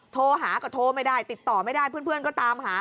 โทรหาก็โทรไม่ได้ติดต่อไม่ได้เพื่อนก็ตามหา